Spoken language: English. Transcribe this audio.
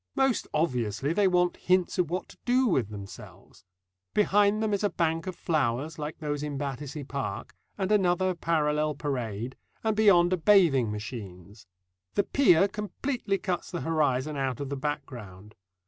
Most obviously they want hints of what to do with themselves. Behind them is a bank of flowers like those in Battersea Park, and another parallel parade, and beyond are bathing machines. The pier completely cuts the horizon out of the background.